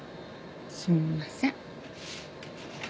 すみません。